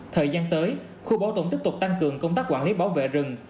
thời gian tới khu bảo tồn tiếp tục tăng cường công tác quản lý bảo vệ rừng